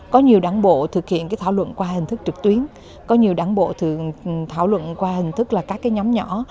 có nhiều đảng bộ thực hiện cái thảo luận qua hình thức trực tuyến có nhiều đảng bộ thường thảo luận qua hình thức là các cái nhóm nhỏ